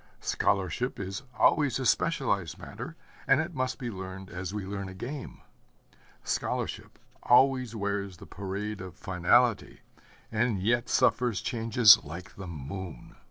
Scholarship is always a specialized matter, and it must be learned as we learn a game. Scholarship always wears the parade of finality, and yet suffers changes like the moon.